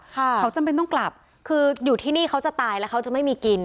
เขาจำเป็นต้องกลับคืออยู่ที่นี่เขาจะตายแล้วเขาจะไม่มีกิน